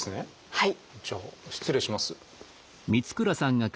はい。